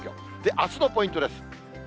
あすのポイントです。